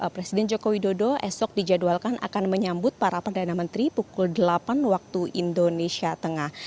presiden joko widodo esok dijadwalkan akan menyambut para perdana menteri pukul delapan waktu indonesia tengah